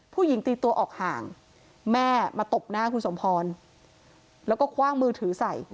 ตีตัวออกห่างแม่มาตบหน้าคุณสมพรแล้วก็คว่างมือถือใส่